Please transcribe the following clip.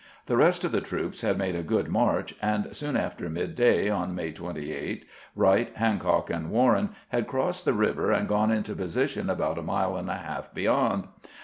The rest of the troops had made a good march, and soon after midday on May 28, "Wright, Hancock, and "Warren had crossed the river and gone into position about a mile and a half beyond.